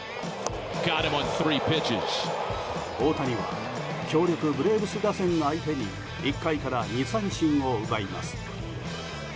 大谷は強力ブレーブス打線相手に１回から２三振を奪います。